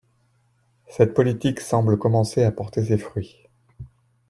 Cette politique semble commencer à porter ses fruits.